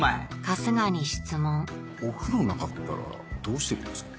春日に質問お風呂なかったらどうしてるんですか？